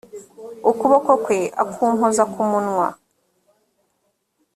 ukuboko kwe akunkoza ku munwa